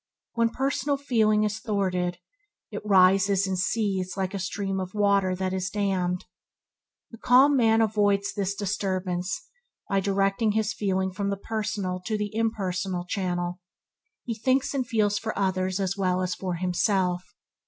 When personal feeling is thwarted, it rises and seethes like a stream of water that is dammed. The calm man avoids this disturbance by directing his feeling from the personal to the impersonal channel. He thinks and feels for others as well as for himself.